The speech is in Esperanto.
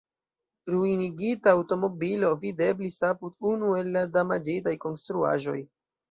Ruinigita aŭtomobilo videblis apud unu el la damaĝitaj konstruaĵoj.